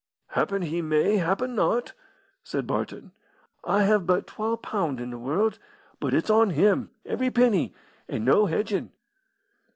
"Happen he may happen not," said Barton. "I have but twa pund in the world, but it's on him, every penny, and no hedgin'.